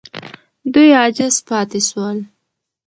دوی عاجز پاتې سول.